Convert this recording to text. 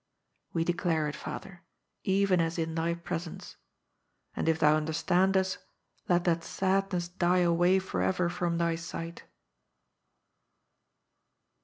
We declare it, father, even as in thy presence. And if thou understand us, let that sadness die away forever from thy sight."